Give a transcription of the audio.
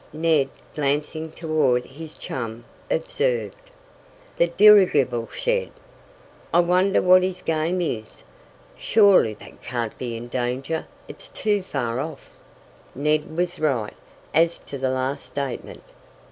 Ned, glancing toward his chum, observed: "The dirigible shed! I wonder what his game is? Surely that can't be in danger it's too far off!" Ned was right as to the last statement.